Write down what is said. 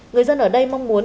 người dân ở đây mong muốn